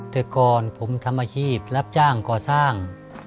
แต่ก่อนผมทำอาชีพรับจ้างก่อสร้าง